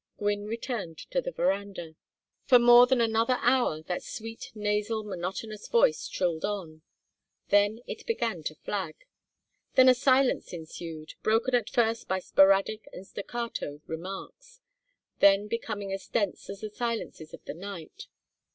Gwynne returned to the veranda. For more than another hour that sweet nasal monotonous voice trilled on. Then it began to flag. Then a silence ensued, broken at first by sporadic and staccato remarks, then becoming as dense as the silences of the night.